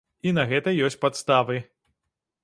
І на гэта ёсць падставы.